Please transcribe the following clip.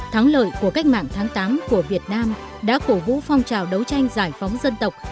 thắng lợi của cách mạng tháng tám của việt nam đã cổ vũ phong trào đấu tranh giải phóng dân tộc